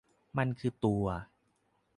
มันคือตัว